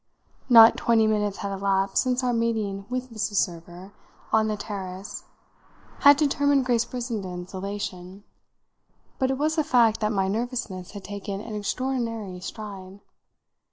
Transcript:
Not twenty minutes had elapsed since our meeting with Mrs. Server on the terrace had determined Grace Brissenden's elation, but it was a fact that my nervousness had taken an extraordinary stride.